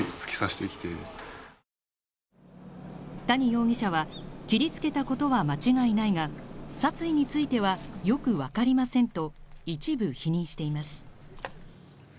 谷容疑者は切りつけたことは間違いないが殺意についてはよくわかりませんと一部否認しています。